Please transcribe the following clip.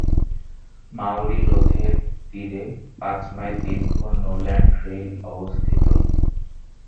Maori হ্রদের তীরে পাঁচ মাইল দীর্ঘ নোল্যান্ড ট্রেইল অবস্থিত।